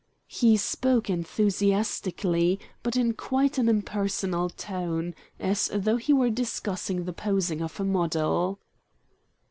He spoke enthusiastically, but in quite an impersonal tone, as though he were discussing the posing of a model.